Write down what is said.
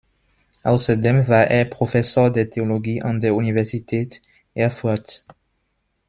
Außerdem war er Professor der Theologie an der Universität Erfurt.